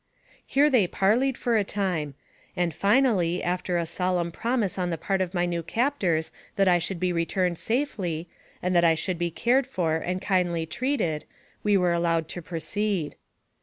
Here they parleyed for a time, and, finally, after a solemn promise on the part of my new captors that I should be returned safely, and that I should be cared for and kindly treated, we were allowed to proceed.